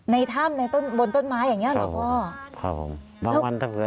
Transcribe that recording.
ในถ้ำบนต้นไม้อย่างนี้หรือพ่อ